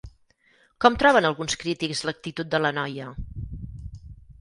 Com troben alguns crítics l'actitud de la noia?